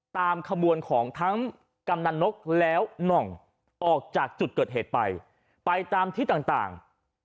ตามขบวนของทั้งกำนันนกแล้วหน่องออกจากจุดเกิดเหตุไปไปตามที่ต่าง